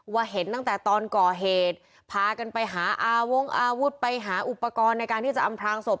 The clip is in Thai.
เห็นตั้งแต่ตอนก่อเหตุพากันไปหาอาวงอาวุธไปหาอุปกรณ์ในการที่จะอำพลางศพ